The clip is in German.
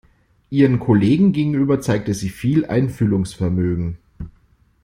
Ihren Kollegen gegenüber zeigte sie viel Einfühlungsvermögen.